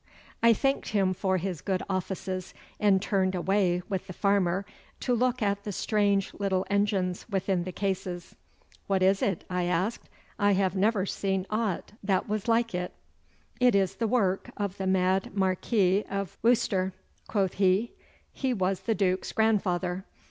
I thanked him for his good offices, and turned away with the farmer to look at the strange little engines within the cases. 'What is it?' I asked. 'I have never seen aught that was like it.' 'It is the work of the mad Marquis of Worcester,' quoth he. 'He was the Duke's grandfather.